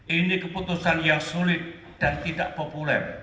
ini keputusan yang sulit dan tidak populer